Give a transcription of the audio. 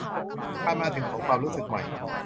การมาถึงของความรู้สึกใหม่